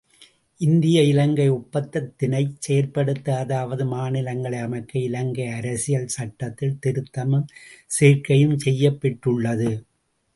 இந்திய இலங்கை ஒப்பந்தத்தினைச் செயற்படுத்த அதாவது மாநிலங்களை அமைக்க இலங்கை அரசியல் சட்டத்தில் திருத்தமும் சேர்க்கையும் செய்யப் பெற்றுள்ளது.